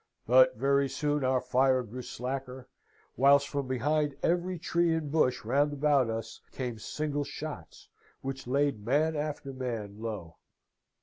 But very soon our fire grew slacker, whilst from behind every tree and bush round about us came single shots, which laid man after man low.